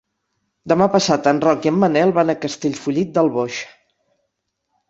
Demà passat en Roc i en Manel van a Castellfollit del Boix.